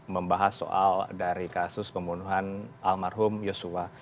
membahas soal dari kasus pembunuhan almarhum yosua